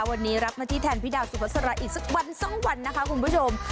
วันนี้รับมาที่แทนพี่ดาวสุภาษาอีกสักวันสองวันนะคะคุณผู้ชม